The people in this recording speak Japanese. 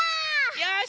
よし！